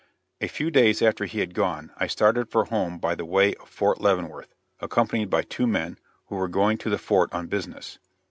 A few days after he had gone, I started for home by the way of Fort Leavenworth, accompanied by two men, who were going to the fort on business.